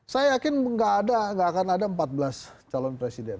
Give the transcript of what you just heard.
saya yakin nggak ada nggak akan ada empat belas calon presiden